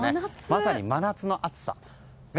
まさに真夏の暑さ。